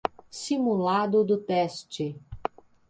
Simulado do teste